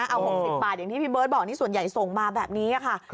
เอา๖๐บาทอย่างที่พี่เบิร์ตบอกนี่ส่วนใหญ่ส่งมาแบบนี้ค่ะ